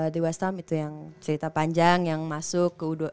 di west ham itu yang cerita panjang yang masuk ke u dua puluh satu